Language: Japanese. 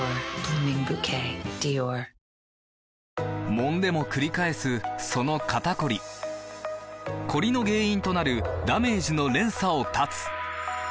もんでもくり返すその肩こりコリの原因となるダメージの連鎖を断つ！